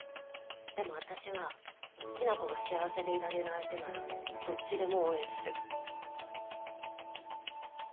でも私は雛子が幸せでいられる相手ならどっちでも応援する。